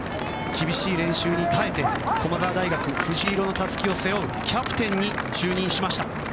厳しい練習に耐えて駒澤大学の藤色のたすきを担うキャプテンに就任しました。